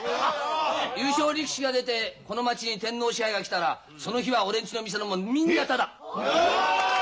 優勝力士が出てこの町に天皇賜杯が来たらその日は俺んちの店のものみんなただ！